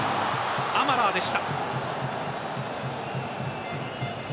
アマラーでした。